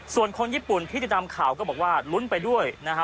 ส่วนคนญี่ปุ่นที่ติดตามข่าวก็บอกว่าลุ้นไปด้วยนะฮะ